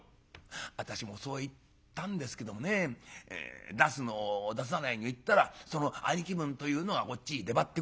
「私もそう言ったんですけどもね出すの出さないの言ったらその兄貴分というのがこっちへ出張ってくる。